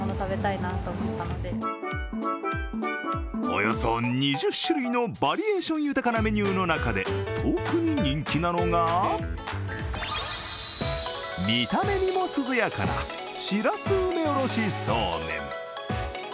およそ２０種類のバリエーション豊かなメニューの中で特に人気なのが見た目にも涼やかな、しらす梅おろしそうめん。